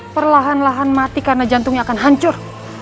perlahan lahan mati karena jantungnya akan hancur